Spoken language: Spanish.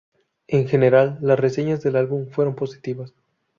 En general, las reseñas del álbum fueron positivas.